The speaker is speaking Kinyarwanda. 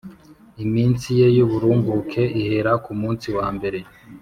iminsi ye y’uburumbuke ihera ku munsi wa mbere